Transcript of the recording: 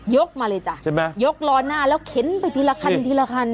ยกมาเลยจ้ะยกลอนหน้าแล้วเข็นไปทีละคัน